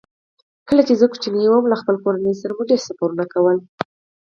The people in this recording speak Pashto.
کله چې زه ماشوم وم، له خپلې کورنۍ سره مو ډېر سفرونه کول.